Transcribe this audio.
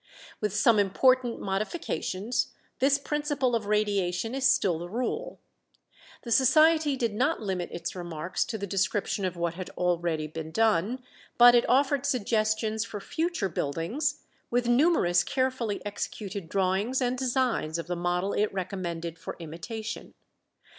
With some important modifications this principle of radiation is still the rule. The Society did not limit its remarks to the description of what had already been done, but it offered suggestions for future buildings, with numerous carefully executed drawings and designs of the model it recommended for imitation.